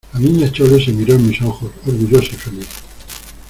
la Niña Chole se miró en mis ojos, orgullosa y feliz: